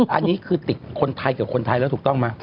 อันนี้คือติดคนไทยกับคนไทยแล้วถูกต้องไหม